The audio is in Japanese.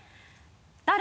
「誰？